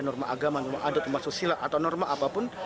norma agama norma adat norma susila atau norma apapun